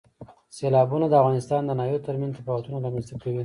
سیلابونه د افغانستان د ناحیو ترمنځ تفاوتونه رامنځ ته کوي.